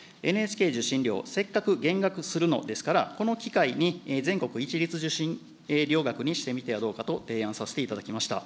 ＮＨＫ受信料、せっかく減額するのですから、この機会に全国一律受信料額にしてみてはどうかと、提案させていただきました。